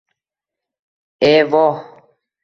E, voh